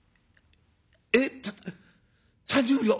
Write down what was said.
「えっ３０両？